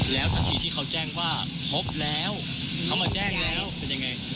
แล้วทันทีที่เขาแจ้งว่าพบแล้วเขามาแจ้งแล้วเป็นยังไง